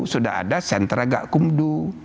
sudah ada sentra gak kumdu